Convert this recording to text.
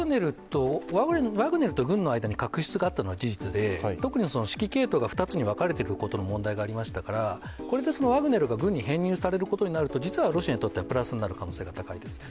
ワグネルと軍の間に確執があったのは事実で特に指揮系統が２つに分かれていることに問題がありましたから、これでワグネルが軍に編入されることになると実はロシアにとってはプラスになる可能性が高いです。